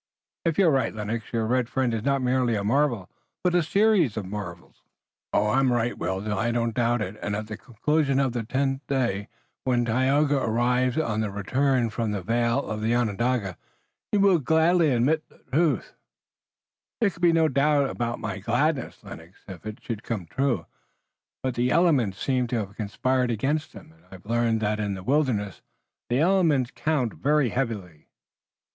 "If you're right, Lennox, your red friend is not merely a marvel, but a series of marvels." "I'm right, Will. I do not doubt it. At the conclusion of the tenth day when Tayoga arrives on the return from the vale of Onondaga you will gladly admit the truth." "There can be no doubt about my gladness, Lennox, if it should come true, but the elements seem to have conspired against him, and I've learned that in the wilderness the elements count very heavily."